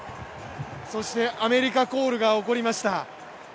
そしてアメリカコールが起こりました。